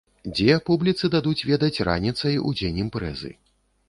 Дзе, публіцы дадуць ведаць раніцай у дзень імпрэзы.